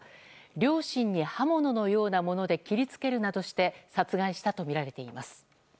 両親に刃物のようなもので切りつけるなどして殺害したとみられています。